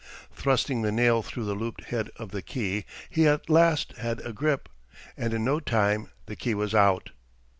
Thrusting the nail through the looped head of the key, he at last had a grip, and in no time the key was out.